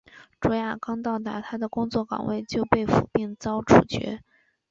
卓娅刚到达她工作岗位就被俘并遭处决。